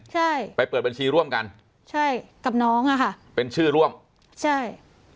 ใช่ไปเปิดบัญชีร่วมกันใช่กับน้องอ่ะค่ะเป็นชื่อร่วมใช่